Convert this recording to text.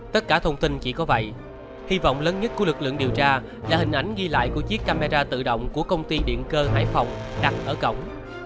tất cả thông tin chỉ có vậy hy vọng lớn nhất của lực lượng điều tra là hình ảnh ghi lại của chiếc camera tự động của công ty điện cơ hải phòng đặt ở cổng